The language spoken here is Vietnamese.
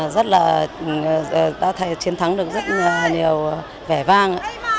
rất là đã chiến thắng được rất nhiều vẻ vang